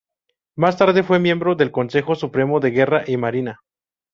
Más tarde fue miembro del Consejo Supremo de Guerra y Marina.